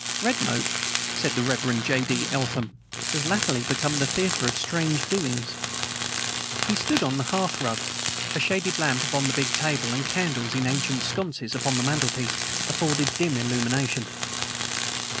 "Redmoat," said the Rev. J. D. Eltham, "has latterly become the theater of strange doings." He stood on the hearth rug. A shaded lamp upon the big table and candles in ancient sconces upon the mantelpiece afforded dim illumination.